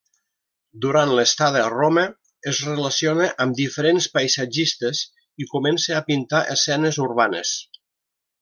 Durant l'estada a Roma es relaciona amb diferents paisatgistes i comença a pintar escenes urbanes.